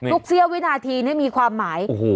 ลูกเซียววินาทีเนี่ยมีความหมายโอ้โห